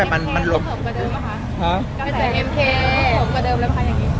แล้วภายอย่างงี้